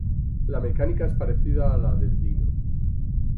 La mecánica es parecida a la del Dino.